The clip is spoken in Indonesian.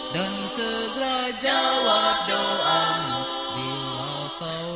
dan segera jawab doamu